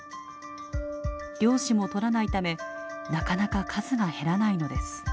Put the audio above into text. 漁師も取らないためなかなか数が減らないのです。